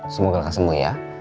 semoga lo sembuh ya